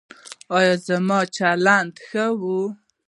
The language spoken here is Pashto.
ایا زما چلند ښه و؟